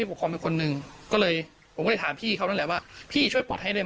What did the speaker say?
ทีมข่าวได้พยายามติดต่อไปยังไงอำเภอเมืองเลย